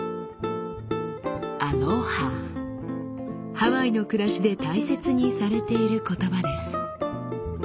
ハワイの暮らしで大切にされている言葉です。